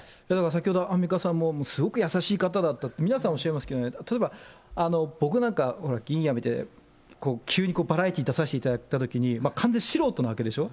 先ほど、アンミカさんもすごく優しい方だったって、皆さん、おっしゃいますけどね、例えば僕なんか、議員辞めて、急にバラエティに出させていただいたときに、完全に素人なわけでしょ。